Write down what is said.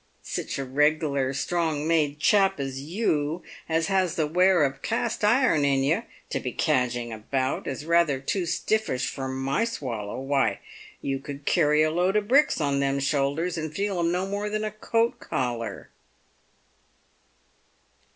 " Sich a reg'lar strong made chap as you, as has the wear of cast iron in yer, to be cadging about, is rather too stiflBsh for my swallow. Why, you could carry a load o' bricks on them shoulders, and feel 'em no more than a coat collar."